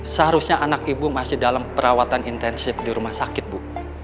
seharusnya anak ibu masih dalam perawatan intensif di rumah sakit bu